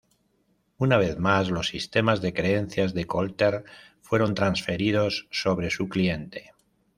Una vez más, los sistemas de creencias de Colter fueron transferidos sobre su cliente.